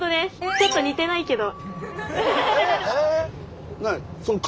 ちょっと似てないけど。